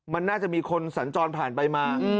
มันน่าจะมีคนสัญจรผ่านไปมา